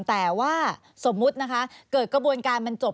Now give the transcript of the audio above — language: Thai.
แต่ว่าสมมุตินะคะเกิดกระบวนการมันจบ